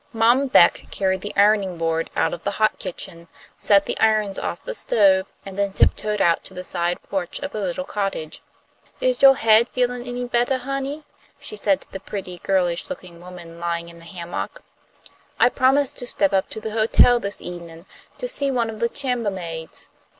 Mom Beck carried the ironing board out of the hot kitchen, set the irons off the stove, and then tiptoed out to the side porch of the little cottage. "Is yo' head feelin' any bettah, honey?" she said to the pretty, girlish looking woman lying in the hammock. "I promised to step up to the hotel this evenin' to see one of the chambah maids.